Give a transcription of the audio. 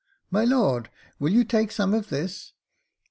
" My lord, will you take some of this